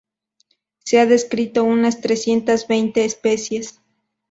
Se ha descrito unas trescientas veinte especies.